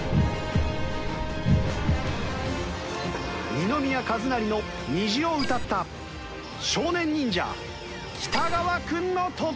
二宮和也の『虹』を歌った少年忍者北川君の得点は！？